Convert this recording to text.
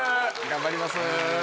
頑張ります。